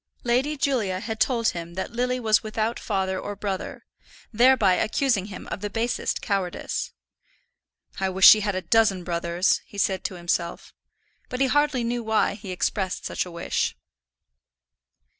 Lady Julia had told him that Lily was without father or brother, thereby accusing him of the basest cowardice. "I wish she had a dozen brothers," he said to himself. But he hardly knew why he expressed such a wish.